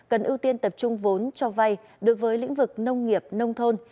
cần ưu tiên tập trung vốn cho vay đối với lĩnh vực nông nghiệp nông thôn